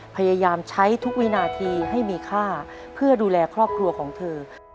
พยายามใช้ทุกวินาทีให้มีค่าเพื่อดูแลครอบครัวของเธอ